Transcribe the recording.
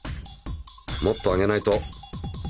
もっと上げないと！